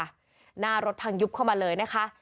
หน้ารถพังยุบเข้ามาเลยนะคะ